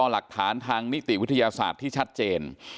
หลักฐานทางนิติวิทยาศาสตร์ที่ชัดเจน